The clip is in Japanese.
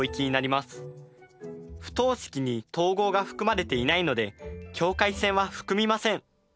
不等式に等号が含まれていないので境界線は含みません。